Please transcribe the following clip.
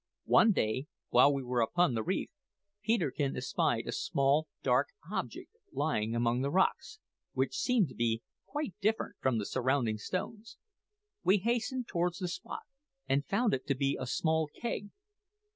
One day, while we were upon the reef, Peterkin espied a small, dark object lying among the rocks, which seemed to be quite different from the surrounding stones. We hastened towards the spot, and found it to be a small keg.